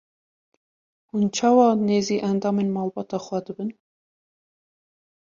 Hûn çawa nêzî endamên malbata xwe dibin?